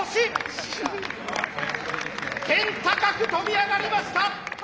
天高く跳び上がりました！